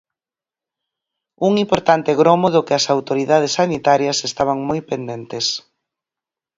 Un importante gromo do que as autoridades sanitarias estaban moi pendentes.